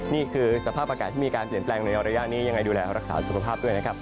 นี่คือสภาพอากาศที่มีการเปลี่ยนแปลงในระยะนี้ยังไงดูแลรักษาสุขภาพด้วยนะครับ